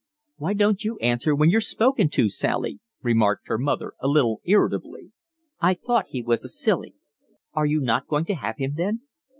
"Why don't you answer when you're spoken to, Sally?" remarked her mother, a little irritably. "I thought he was a silly." "Aren't you going to have him then?"